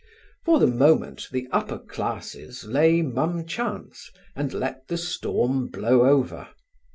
For the moment the upper classes lay mum chance and let the storm blow over.